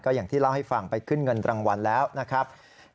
อย่างที่เล่าให้ฟังไปขึ้นเงินรางวัลแล้วนะครับ